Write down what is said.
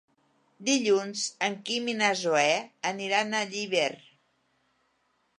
Dilluns en Quim i na Zoè aniran a Llíber.